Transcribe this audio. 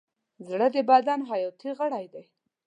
زړه د بدن حیاتي غړی دی.